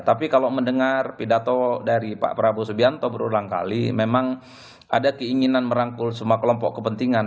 tapi kalau mendengar pidato dari pak prabowo subianto berulang kali memang ada keinginan merangkul semua kelompok kepentingan